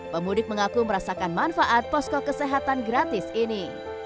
pemudik mengaku merasakan manfaat posko kesehatan gratis ini